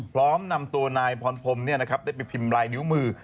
พร้อมนำตัวนายพรพรมได้ไปพิมพ์ลายนิ้วมือ